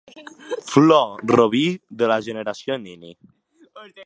Flor robí de la generació Nini.